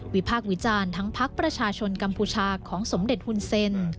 พากษ์วิจารณ์ทั้งพักประชาชนกัมพูชาของสมเด็จฮุนเซ็น